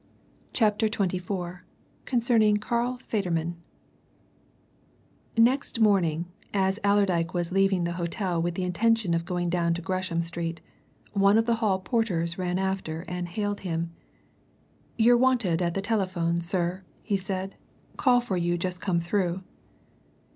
CHAPTER XXIV CONCERNING CARL FEDERMAN Next morning, as Allerdyke was leaving the hotel with the intention of going down to Gresham Street, one of the hall porters ran after and hailed him. "You're wanted at the telephone, sir," he said. "Call for you just come through."